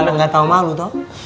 kalau nggak tahu malu toh